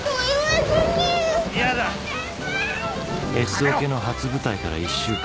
［Ｓオケの初舞台から１週間。